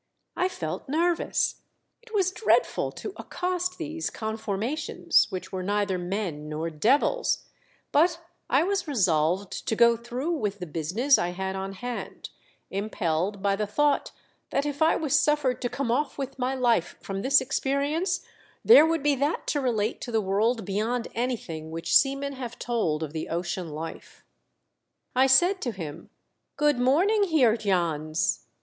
I felt nervous — it was dreadful to accost these conformations, which were neither men nor devils — but I was resolved to p o throuj^h with the business I had on hand, impelled by the thought that if I was suffered to come off with my life from this experience there would be that to relate to the world beyond anything which seamen have told of the ocean life. I said to him, " Good morning, Heer Jans.